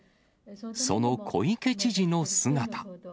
その小池知事の姿。